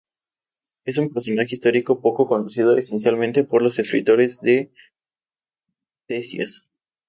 Es un personaje histórico poco conocido, esencialmente por los escritos de Ctesias.